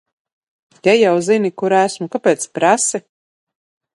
Ja jau zini, kur esmu, kāpēc prasi?